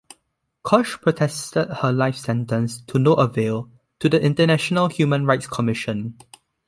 Koch protested her life sentence, to no avail, to the International Human Rights Commission.